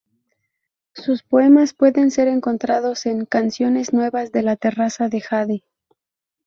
Sus poemas pueden ser encontrados en "Canciones Nuevas de la Terraza de Jade.